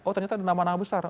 oh ternyata ada nama nama besar